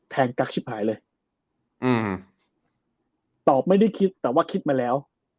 กั๊กชิบหายเลยอืมตอบไม่ได้คิดแต่ว่าคิดมาแล้ว